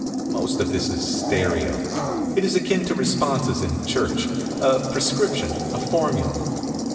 Most of this is stereo. It is akin to responses in church, a prescription, a formula.